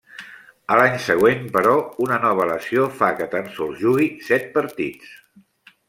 A l'any següent, però, una nova lesió fa que tan sols jugue set partits.